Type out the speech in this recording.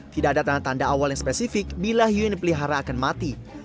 tidak ada tanda tanda awal yang spesifik bila hiu yang dipelihara akan mati